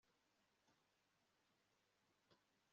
ngengamyitwarire mu gihe utanga amasomo